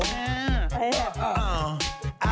น่ารักว่ะ